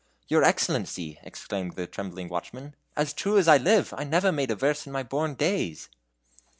"Your excellency," exclaimed the trembling watchman, "as true as I live, I never made a verse in my born days."